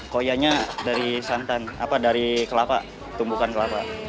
koyanya dari santan apa dari kelapa tumbukan kelapa